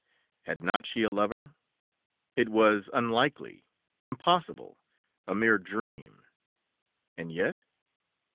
... Had not she a lover? ... It was unlikely, impossible.... A mere dream ... and yet?